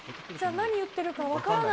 何言ってるか分からない。